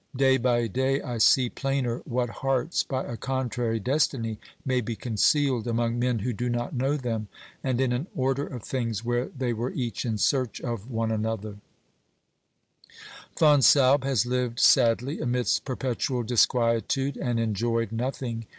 Day by day I see plainer what hearts, by a contrary destiny, may be concealed among men who do not know them, and in an order of things where they were each in search of one another, Fonsalbe has lived sadly amidst perpetual disquietude, and enjoying nothing.